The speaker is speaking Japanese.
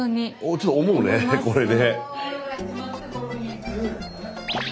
ちょっと思うねこれね。